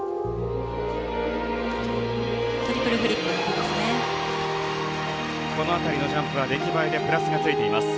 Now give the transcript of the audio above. トリプルフリップいいですね。